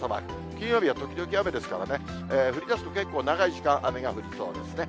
金曜日は時々雨ですからね、降りだすと結構長い時間、雨が降りそうですね。